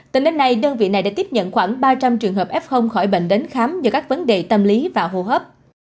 tính đến nay đơn vị này đã tiếp nhận khoảng ba trăm linh trường hợp f khỏi bệnh đến khám do các vấn đề tâm lý và hô hấp